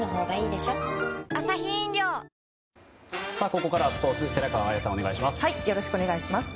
ここからはスポーツ寺川綾さんお願いします。